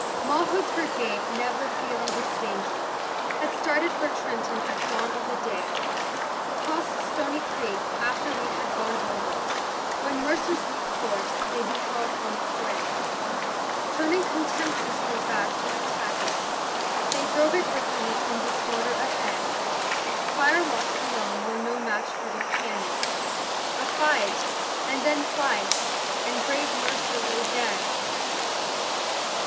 Mawhood's brigade, never feeling its danger, Had started for Trenton at dawn of the day, Crossed Stony Creek, after we had gone over, When Mercer's weak force they beheld on its way; Turning contemptuously back to attack it, They drove it with ease in disorder ahead Firelocks alone were no match for their cannon A fight, and then flight, and brave Mercer lay dead.